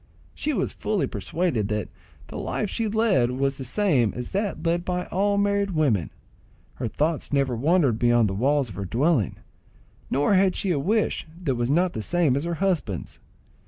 She was fully persuaded that the life she led was the same as that led by all married women. Her thoughts never wandered beyond the walls of her dwelling, nor had she a wish that was not the same as her husband's.